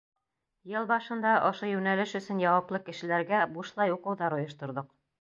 Йыл башында ошо йүнәлеш өсөн яуаплы кешеләргә бушлай уҡыуҙар ойошторҙоҡ.